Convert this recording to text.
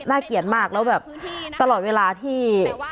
เกลียดมากแล้วแบบตลอดเวลาที่